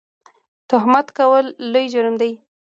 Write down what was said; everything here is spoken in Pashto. تهمت کول لوی جرم دی